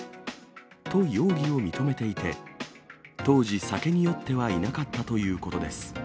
と、容疑を認めていて、当時、酒に酔ってはいなかったということです。